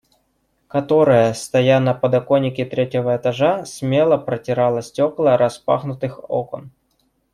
Которая, стоя на подоконнике третьего этажа, смело протирала стекла распахнутых окон.